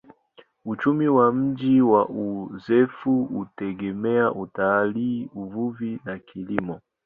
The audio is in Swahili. Uchumi wa mji wa Azeffou hutegemea utalii, uvuvi na kilimo.